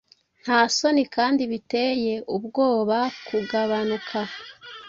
Nta soni kandi biteye ubwobakugabanuka